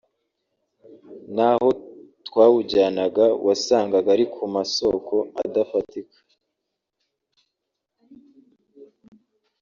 n’aho twawujyanaga wasangaga ari ku masoko adafatika